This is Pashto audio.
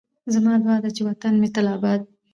زما دعا ده چې وطن مې تل اباد